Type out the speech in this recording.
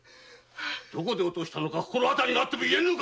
どこで落としたか心当たりがあっても言えぬか